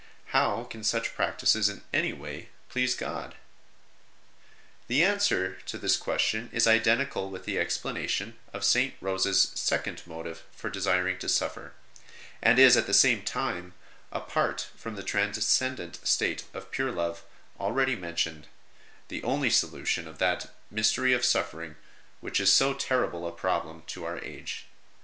How can such practices in any way please God ? The answer to this question is identical with the explanation of St. Rose s second motive for desiring to suffer, and is at the same time, apart from the transcendent state of pure love already mcntioAed, the only solution of that mystery of suffering which is so terrible a problem to our age.